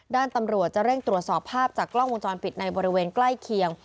ด้านตำรวจจะเร่งตรวจสอบภาพจากกล้องวงจรปิดในบริเวณใกล้เคียง